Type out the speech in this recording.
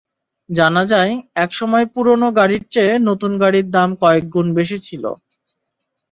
জানা যায়, একসময় পুরোনো গাড়ির চেয়ে নতুন গাড়ির দাম কয়েক গুণ বেশি ছিল।